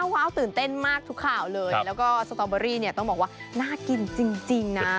ว้าวตื่นเต้นมากทุกข่าวเลยแล้วก็สตอเบอรี่เนี่ยต้องบอกว่าน่ากินจริงนะ